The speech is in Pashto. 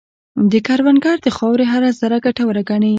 کروندګر د خاورې هره ذره ګټوره ګڼي